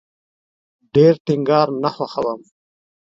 ډیر ټینګار نه خوښوم